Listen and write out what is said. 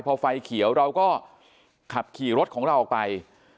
พอไฟเขียวเราก็ขับขี่รถของเราออกไป